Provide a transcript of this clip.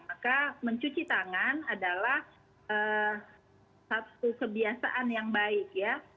maka mencuci tangan adalah satu kebiasaan yang baik ya